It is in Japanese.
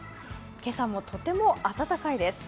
今朝もとても暖かいです。